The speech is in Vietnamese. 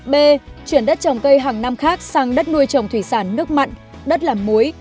b chuyển đất trồng cây hàng năm khác sang đất nuôi trồng thủy sản nước mặn đất làm muối